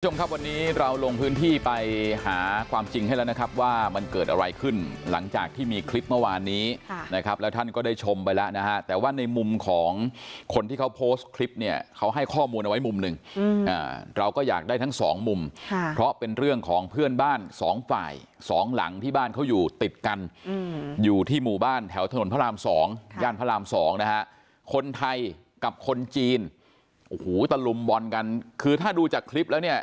วันนี้เราลงพื้นที่ไปหาความจริงให้แล้วนะครับว่ามันเกิดอะไรขึ้นหลังจากที่มีคลิปเมื่อวานนี้นะครับแล้วท่านก็ได้ชมไปแล้วนะฮะแต่ว่าในมุมของคนที่เขาโพสต์คลิปเนี่ยเขาให้ข้อมูลเอาไว้มุมหนึ่งอืมอ่าเราก็อยากได้ทั้งสองมุมค่ะเพราะเป็นเรื่องของเพื่อนบ้านสองฝ่ายสองหลังที่บ้านเขาอยู่ติดกันอืมอยู่ที่หมู่บ